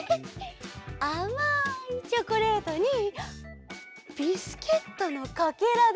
あまいチョコレートにビスケットのかけらでしょ。